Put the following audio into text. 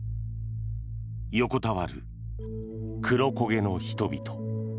横たわる黒焦げの人々。